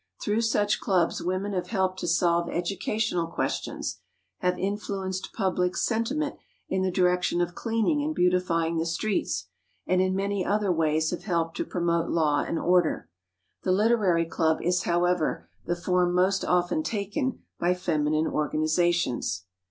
Through such clubs women have helped to solve educational questions, have influenced public sentiment in the direction of cleaning and beautifying the streets, and in many other ways have helped to promote law and order. The literary club is, however, the form most often taken by feminine organizations.